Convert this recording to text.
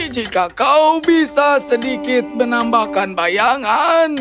jika kau bisa sedikit menambahkan bayangan